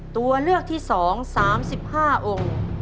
ตัวเลือกที่๒๓๕องค์